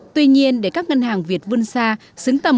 tuy nhiên để các ngân hàng việt vươn xa